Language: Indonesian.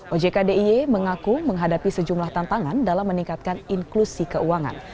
ojk d i e mengaku menghadapi sejumlah tantangan dalam meningkatkan inklusi keuangan